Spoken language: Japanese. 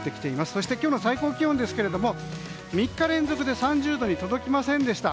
そして今日の最高気温ですが３日連続で３０度に届きませんでした。